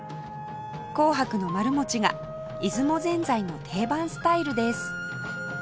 紅白の丸餅が出雲ぜんざいの定番スタイルです